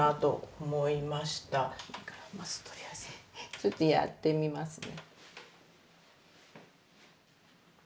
ちょっとやってみますね。